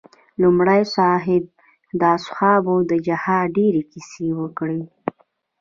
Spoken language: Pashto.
مولوي صاحب د اصحابو د جهاد ډېرې کيسې وکړې.